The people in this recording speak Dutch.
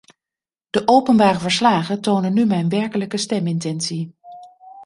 De openbare verslagen tonen nu mijn werkelijke stemintentie.